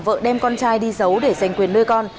vợ đem con trai đi giấu để giành quyền nuôi con